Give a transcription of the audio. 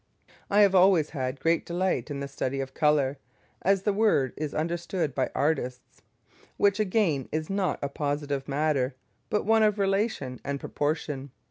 I have always had great delight in the study of colour, as the word is understood by artists, which again is not a positive matter, but one of relation and proportion.